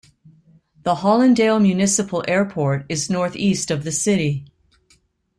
The Hollandale Municipal Airport is northeast of the city.